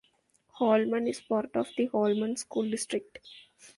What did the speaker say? Holmen is part of the Holmen School District.